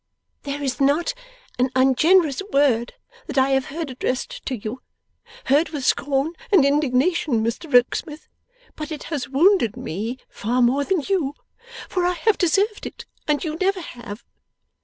'There is not an ungenerous word that I have heard addressed to you heard with scorn and indignation, Mr Rokesmith but it has wounded me far more than you, for I have deserved it, and you never have.